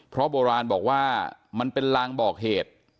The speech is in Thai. เพราะโบราณบอกว่ามันเป็นลางบอกเหตุ